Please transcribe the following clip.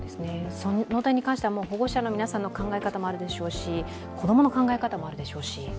その点に関しては保護者の皆さんの考えかたもあるでしょうし子供の考え方もあるでしょうし。